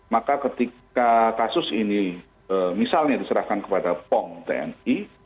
maka ketika kasus ini misalnya diserahkan kepada pom tni